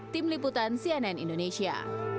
tim liputan cnn indonesia